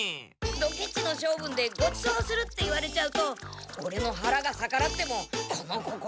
ドケチのしょう分でごちそうするって言われちゃうとオレのはらがさからってもこの心はさからうことができない！